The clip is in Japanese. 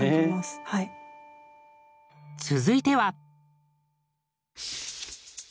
続いては。